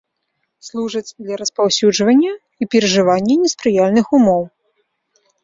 Служаць для распаўсюджвання і перажывання неспрыяльных умоў.